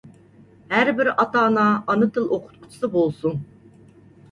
ھەر بىر ئاتا-ئانا ئانا تىل ئوقۇتقۇچىسى بولسۇن!